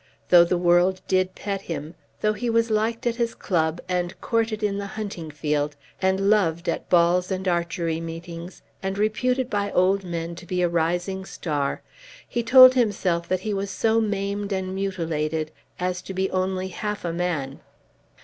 Though the world did pet him, though he was liked at his club, and courted in the hunting field, and loved at balls and archery meetings, and reputed by old men to be a rising star, he told himself that he was so maimed and mutilated as to be only half a man.